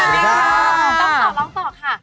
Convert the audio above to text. สวัสดีค่ะร้องต่อค่ะ